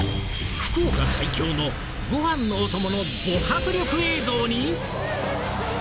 福岡最強のごはんのおとものど迫力映像に！